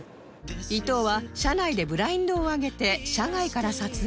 伊藤は車内でブラインドを上げて車外から撮影